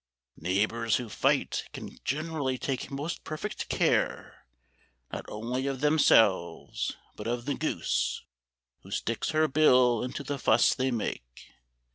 Neighbours who fight Can generally take most perfect care, Not only of themselves, but of the goose Who sticks her bill into the fuss they make.